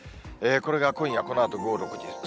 これが今夜このあと午後６時。